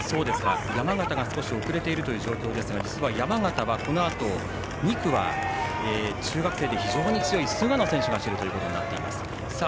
山形が少し遅れているという状況ですが山形、このあと２区は中学生で非常に強い菅野選手が走ることになっています。